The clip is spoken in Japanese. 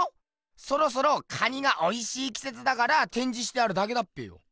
そろそろ蟹がおいしいきせつだからてんじしてあるだけだっぺよ。